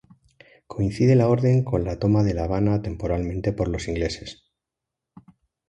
Coincide la orden con la toma de La Habana temporalmente por los ingleses.